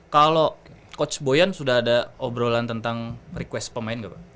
kalau coach boyan sudah ada obrolan tentang request pemain nggak pak